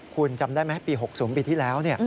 คุณจำได้ไหมปี๖๐ปีที่แล้ว